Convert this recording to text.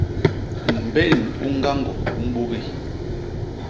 Mbén u ñgañgô u mbugi.